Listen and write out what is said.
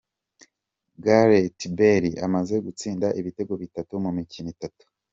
Gareth Bale amaze gutsinda ibitego bitatu mu mikino itanu.